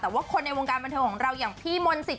แต่ว่าคนในวงการบันเทิงของเราอย่างพี่มนต์สิท